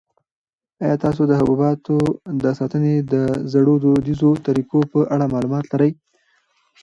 آیا تاسو د حبوباتو د ساتنې د زړو دودیزو طریقو په اړه معلومات لرئ؟